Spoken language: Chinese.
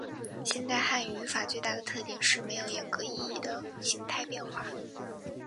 现代汉语语法最大的特点是没有严格意义的形态变化。